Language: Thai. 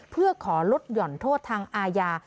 เพื่อขอลดหย่อนโทษทางอาญา